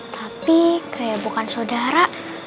tapi kayak bukan saudara